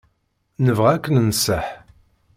Nebɣa ad k-nenṣeḥ.